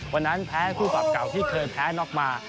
วันนั้นแพ้ผู้บับเก่าที่เคยแพ้นอกมา